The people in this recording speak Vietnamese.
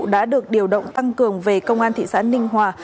đã được điều động tăng cường về công an thị xã ninh hòa